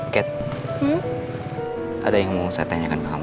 kat ada yang mau saya tanyakan ke kamu